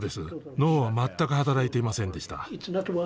脳は全く働いていませんでした。